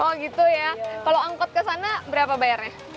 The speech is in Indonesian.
oh gitu ya kalau angkot ke sana berapa bayarnya